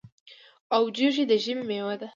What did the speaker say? اوجوشي د ژمي مېوه ده.